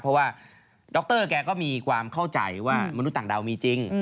เพราะว่าดรแกก็มีความเข้าใจว่ามนุษย์ต่างดาวมีจริง